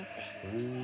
へえ。